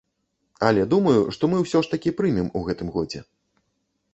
Але я думаю, што мы ўсё ж такі прымем у гэтым годзе.